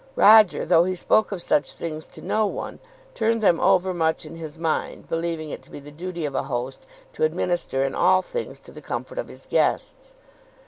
Roger, though he spoke of such things to no one, turned them over much in his mind, believing it to be the duty of a host to administer in all things to the comfort of his guests.